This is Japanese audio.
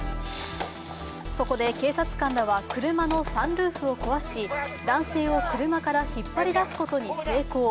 そこで、警察官らは車のサンルーフを壊し男性を車から引っ張り出すことに成功。